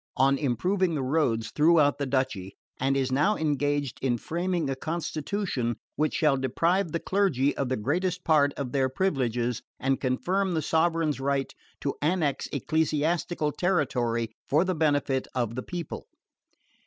on improving the roads throughout the duchy, and is now engaged in framing a constitution which shall deprive the clergy of the greatest part of their privileges and confirm the sovereign's right to annex ecclesiastical territory for the benefit of the people.